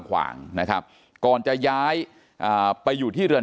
เป็นวันที่๑๕ธนวาคมแต่คุณผู้ชมค่ะกลายเป็นวันที่๑๕ธนวาคม